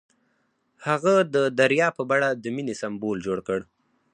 هغه د دریا په بڼه د مینې سمبول جوړ کړ.